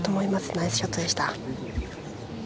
ナイスショットでした。